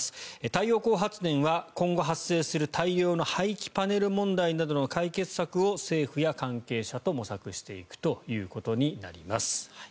太陽光発電は今後発生する大量の廃棄パネル問題などの解決策を政府や関係者と模索していくということになります。